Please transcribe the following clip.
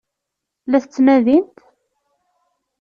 La t-ttnadint?